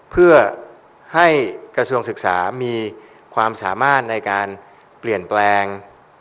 เพื่อให้กระทรวงศึกษามีความสามารถในการเปลี่ยนแปลง